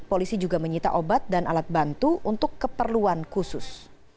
polisi juga menyita obat dan alat bantu untuk keperluan khusus